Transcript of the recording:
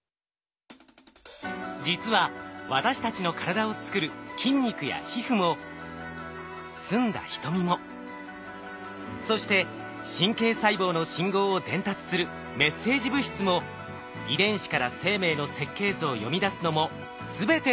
実は私たちの体をつくる筋肉や皮膚も澄んだ瞳もそして神経細胞の信号を伝達するメッセージ物質も遺伝子から生命の設計図を読み出すのも全てタンパク質。